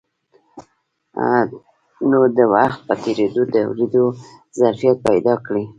نو د وخت په تېرېدو به د اورېدو ظرفيت پيدا کړي.